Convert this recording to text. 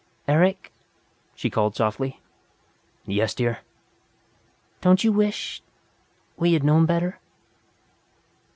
"Eric?" she called softly. "Yes, dear." "Don't you wish we had known better?"